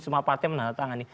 semua partai menandatangani